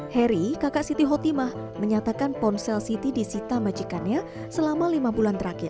heri kakak siti hotimah menyatakan ponsel siti disita majikannya selama lima bulan terakhir